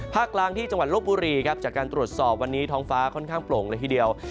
กลางที่จังหวัดลบบุรีครับจากการตรวจสอบวันนี้ท้องฟ้าค่อนข้างโปร่งเลยทีเดียว